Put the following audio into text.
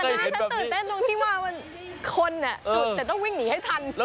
ยังไงนะ